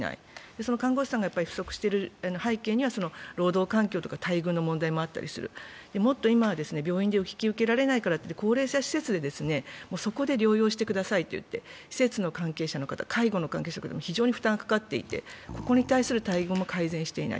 その看護師さんが不足している背景には労働環境とか待遇の問題があったりする、もっと今は、病院で引き受けられないからといって高齢者施設でそこで療養してくださいと言って施設の関係者の方、介護の関係者の方に非常に負担がかかっていて、そこに対する待遇も改善していない。